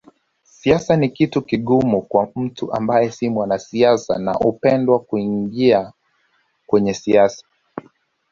Siasa ni kitu kigumu kwa mtu ambaye si mwanasiasa na hakupenda kuingia kwenye siasa